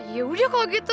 ya udah kalau gitu